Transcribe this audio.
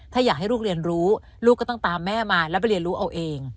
ถ้าอยากให้ลูกเรียนรู้ลูกก็ต้องตามแม่มาแล้วไปเรียนรู้เอาเอง